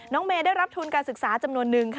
เมย์ได้รับทุนการศึกษาจำนวนนึงค่ะ